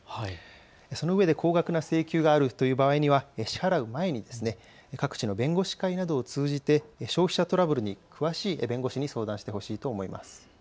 そのうえで高級な請求があるという場合には支払う前に各地の弁護士会などを通じて消費者トラブルに詳しい弁護士に相談してほしいと思います。